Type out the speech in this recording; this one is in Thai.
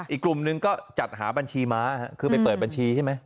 อีกกลุ่มนึงก็จัดหาบัญชีม้าคือไปเปิดบัญชีใช่ไหม